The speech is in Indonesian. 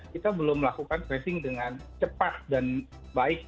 kita belum melakukan tracing dengan cepat dan baik